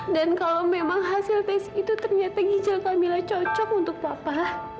dan kalau memang hasil tes itu ternyata ginjal kamila cocok untuk papa